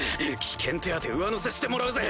危険手当上乗せしてもらうぜ！